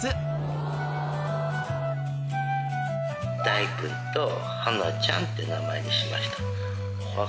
大君と花ちゃんって名前にしました。